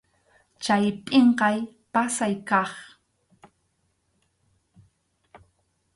Chay pʼinqay pasay kaq.